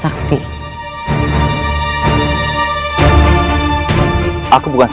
sebagai barking adik terkena pembangunan kita